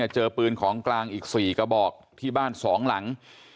เจอปืนของกลางอีก๔กระบอกที่บ้าน๒หลัง